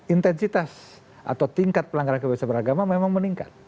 intensitas atau tingkat pelanggaran kebebasan beragama memang meningkat